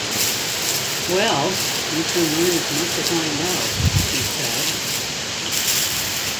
“Well, you can learn as much as I know,” he said.